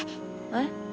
えっ？